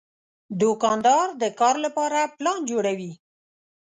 دوکاندار د کار لپاره پلان جوړوي.